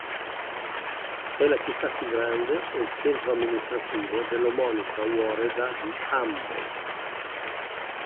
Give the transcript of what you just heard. È la città più grande e il centro amministrativo dell'omonima woreda di "Ambo".